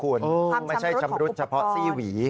ความชำรุดของอุปกรณ์ไม่ใช่ชำรุดเฉพาะซีหวี